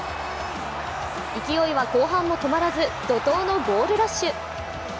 勢いは後半も止まらず、怒とうのゴールラッシュ。